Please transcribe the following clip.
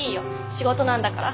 仕事なんだから。